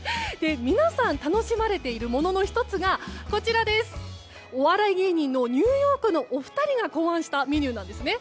皆さん楽しまれているものの１つがお笑い芸人のニューヨークのお二人が考案したメニューなんですね。